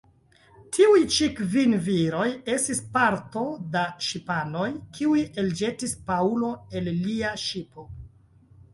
Tiuj-ĉi kvin viroj estis parto da ŝipanoj, kiuj elĵetis Paŭlo el lia ŝipo.